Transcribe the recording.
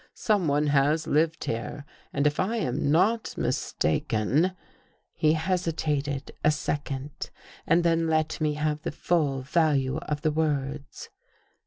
Someone has lived here, and, if I am not mistaken .. He hesitated a second, then let me have the full value of the words.